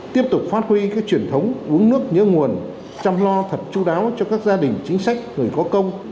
tiếp tục phát huy các truyền thống uống nước nhớ nguồn chăm lo thật chú đáo cho các gia đình chính sách người có công